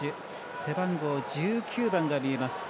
背番号１９番が見えます。